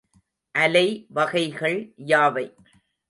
அலை வகைகள் யாவை?